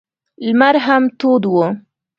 لمر هم تود و.